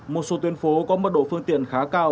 một số tuyến phố có mật độ phương tiện khá cao